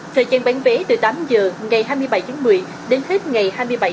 thời gian bán vé từ tám giờ ngày hai mươi bảy một mươi đến hết ngày hai mươi bảy một mươi một